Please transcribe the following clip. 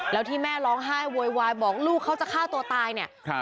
แล้วที่แม่ร้องไห้โวยวายบอกลูกเขาจะฆ่าตัวตายเนี่ย